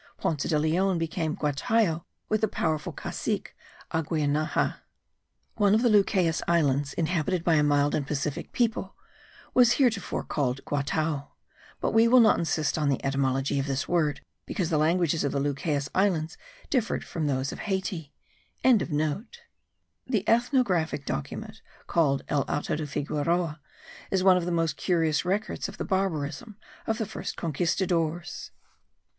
Ponce de Leon became guatiao with the powerful cacique Agueinaha.] One of the Lucayes Islands, inhabited by a mild and pacific people, was heretofore called Guatao; but we will not insist on the etymology of this word, because the languages of the Lucayes Islands differed from those of Hayti.) The ethnographic document called El Auto de Figueroa is one of the most curious records of the barbarism of the first conquistadores.